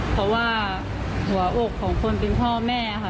เพราะว่าหัวอกของคนเป็นพ่อแม่ค่ะ